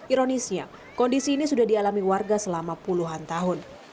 ironisnya kondisi ini sudah dialami warga selama puluhan tahun